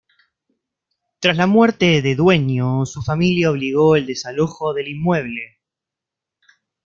Tras la muerte de dueño, su familia obligó el desalojo del inmueble.